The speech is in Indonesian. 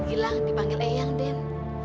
den hilang dipanggil eyal den